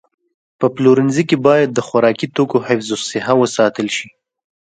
په پلورنځي کې باید د خوراکي توکو حفظ الصحه وساتل شي.